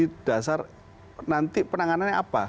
jadi dasar nanti penanganannya apa